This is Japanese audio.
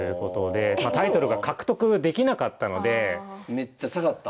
めっちゃ下がった。